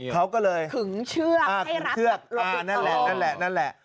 เขาก็เลยขึงเชือกให้รักนั่นแหละนั่นแหละ